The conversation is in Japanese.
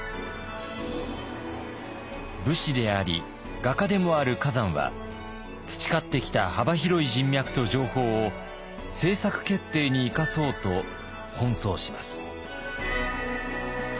武士であり画家でもある崋山は培ってきた幅広い人脈と情報を政策決定に生かそうと奔走します。